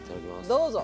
どうぞ。